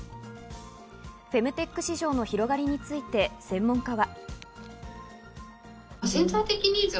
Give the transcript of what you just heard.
フェムテック市場の広がりについて専門家は。